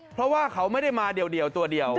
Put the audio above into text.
เพราะว่าเขาไม่ได้มาเดียวตัวเดียว